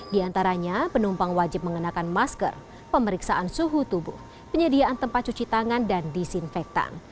di antaranya penumpang wajib mengenakan masker pemeriksaan suhu tubuh penyediaan tempat cuci tangan dan disinfektan